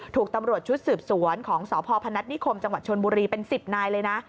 ถูกตำรวจชุดสืบสวนของสพพนัฐนิคมจังหวัดชนบุรีเป็น๑๐นายเลยนะ